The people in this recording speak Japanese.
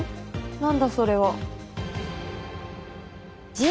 何だそれは？